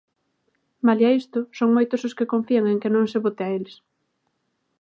Malia isto, son moitos os que confían en que non se bote a eles.